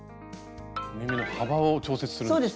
縫い目の幅を調節するんですね。